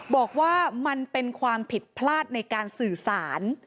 บอกว่ามันเป็นความผิดพลาดในการสื่อสาร